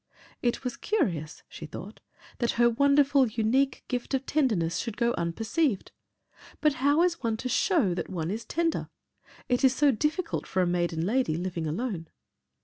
It was curious, she thought, that her wonderful, unique gift of tenderness should go unperceived. But how is one to show that one is tender? It is so difficult for a maiden lady, living alone.